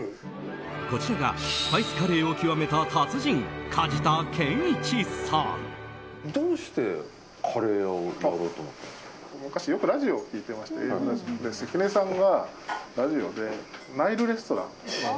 こちらがスパイスカレーを極めた達人、梶田健一さん。